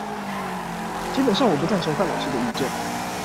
基本上我不贊成范老師的意見